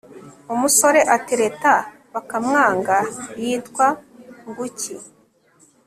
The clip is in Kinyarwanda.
umusore atereta bakamwanga yitwa nguki